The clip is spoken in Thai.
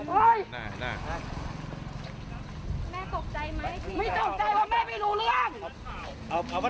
ไม่ต้องใจว่าแม่ไม่รู้เรื่อง